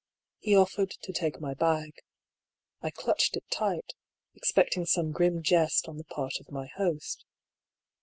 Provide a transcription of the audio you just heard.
He offered to take my bag. I clutched it tight, expecting some grim jest on the part of my host.